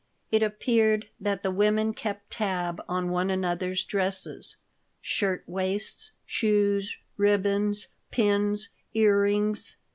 It appeared that the women kept tab on one another's dresses, shirt waists, shoes, ribbons, pins, earrings.